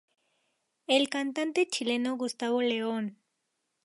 El cantante chileno Gustavo León.